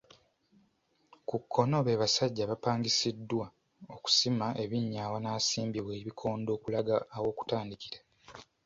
Ku kkono be basajja abapangisiddwa okusima ebinnya awanaasimbibwa ebikondo okulaga aw’okutandikira.